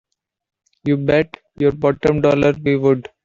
You bet your bottom dollar we would!